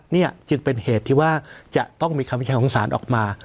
นี่จึงเป็นเหตุที่ว่าจะต้องมีคำวิจัยของศาลออกมา